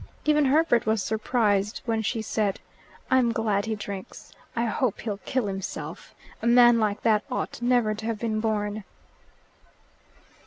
Even Herbert was surprised when she said, "I'm glad he drinks. I hope he'll kill himself. A man like that ought never to have been born."